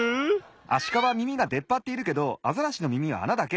アシカはみみがでっぱっているけどアザラシのみみはあなだけ。